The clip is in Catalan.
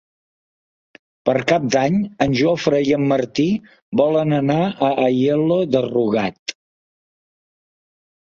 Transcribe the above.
Per Cap d'Any en Jofre i en Martí volen anar a Aielo de Rugat.